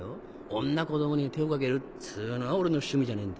女子供に手を上げるっつうのは俺の趣味じゃねえんでね。